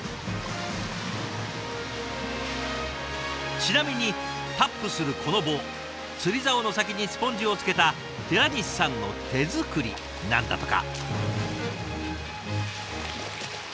ちなみにタップするこの棒釣りざおの先にスポンジをつけた寺西さんの手作りなんだとか。